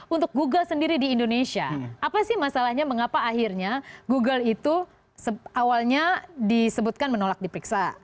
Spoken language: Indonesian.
untuk google sendiri di indonesia apa sih masalahnya mengapa akhirnya google itu awalnya disebutkan menolak diperiksa